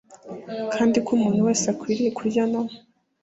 kandi ko umuntu wese akwiriye kurya no